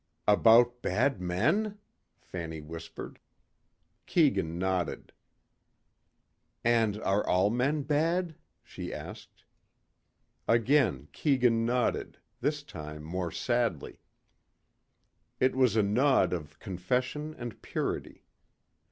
"About bad men?" Fanny whispered. Keegan nodded. "And are all men bad?" she asked. Again Keegan nodded, this time more sadly. It was a nod of confession and purity.